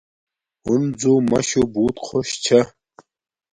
ہنزو ماشو بوت خوش چھا